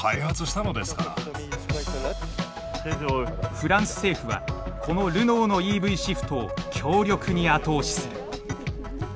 フランス政府はこのルノーのＥＶシフトを強力に後押しする。